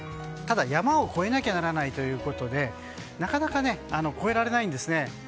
ただ、山を越えなきゃならないということでなかなか越えられないんですね。